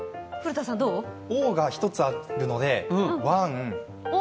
Ｏが１つあるので、ＯＮＥ。